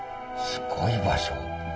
すごい場所。